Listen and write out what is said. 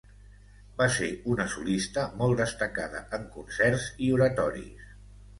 Va ser una solista molt destacada en concerts i oratoris.